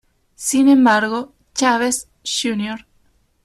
Sin embargo, Chávez Jr.